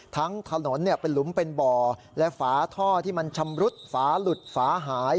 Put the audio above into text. ทั้งถนนเป็นหลุมเป็นบ่อและฝาท่อที่มันชำรุดฝาหลุดฝาหาย